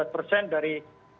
lima belas persen dari